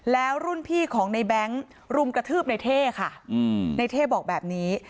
แล้วรุ่นพี่ของในแบงค์รุมกระทืบในเท่ค่ะในเท่บอกแบบนี้